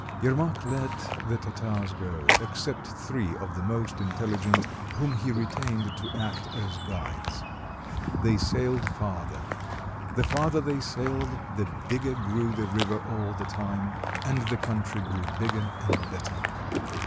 Yermak let the Tartars go, except three of the most intelligent, whom he retained to act as guides. They sailed farther. The farther they sailed, the big ger grew the river all the time, and the country grew bigger and better.